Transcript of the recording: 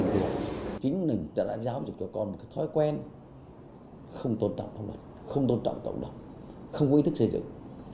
chính mình đã là giáo dục cho con một thói quen không tôn trọng tổng đồng không tôn trọng tổng đồng không có ý thức xây dựng